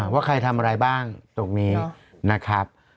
ว่าใครทำอะไรบ้างตรงนี้นะครับ